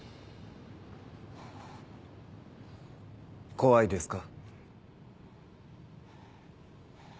怖いですか？